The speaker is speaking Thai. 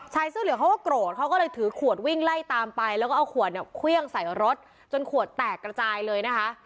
เสื้อเหลืองเขาก็โกรธเขาก็เลยถือขวดวิ่งไล่ตามไปแล้วก็เอาขวดเนี่ยเครื่องใส่รถจนขวดแตกกระจายเลยนะคะ